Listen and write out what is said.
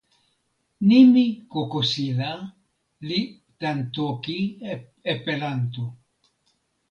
nimi "kokosila" li tan toki Epelanto.